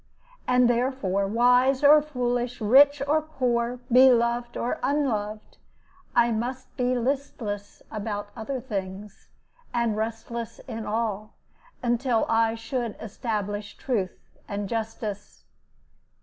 And therefore, wise or foolish, rich or poor, beloved or unloved, I must be listless about other things, and restless in all, until I should establish truth and justice.